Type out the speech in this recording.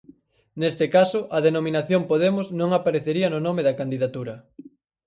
Neste caso a denominación Podemos non aparecería no nome da candidatura.